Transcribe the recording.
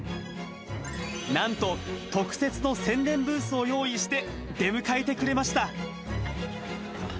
なんと、特設の宣伝ブースを用意して出迎えてくれました。